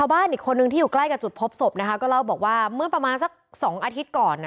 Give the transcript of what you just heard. บ้านอีกคนนึงที่อยู่ใกล้กับจุดพบศพนะคะก็เล่าบอกว่าเมื่อประมาณสัก๒อาทิตย์ก่อน